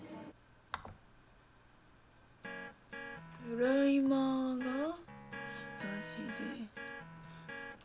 プライマーが下地で。